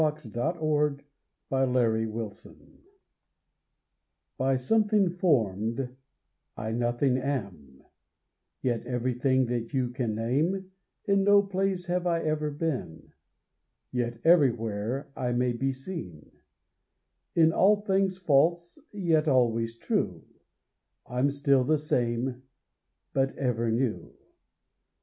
ON A SHADOW IN A GLASS; By something form'd, I nothing am, Yet everything that you can name; In no place have I ever been, Yet everywhere I may be seen; In all things false, yet always true, I'm still the same but ever new.